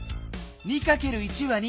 ２×１は２。